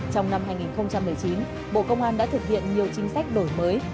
trong năm hai nghìn một mươi chín bộ công an đã thực hiện nhiều chính sách đổi mới